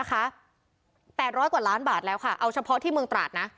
๘๐๐กว่าล้านบาทแล้วค่ะเอาเฉพาะที่เมืองตราดนะ